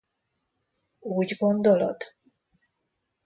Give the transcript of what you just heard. Úgy gondolod?